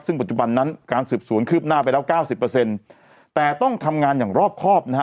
ซึ่งปัจจุบันนั้นการสืบสวนคืบหน้าไปแล้ว๙๐แต่ต้องทำงานอย่างรอบครอบนะฮะ